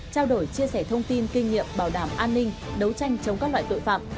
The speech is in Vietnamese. trao đổi chia sẻ thông tin kinh nghiệm bảo đảm an ninh đấu tranh chống các loại tội phạm